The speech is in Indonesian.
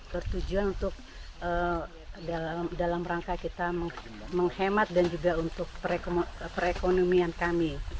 bertujuan untuk dalam rangka kita menghemat dan juga untuk perekonomian kami